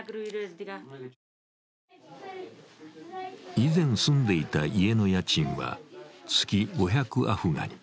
以前、住んでいた家の家賃は月５００アフガニ。